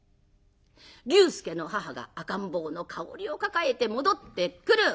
龍介の母が赤ん坊の香織を抱えて戻ってくる。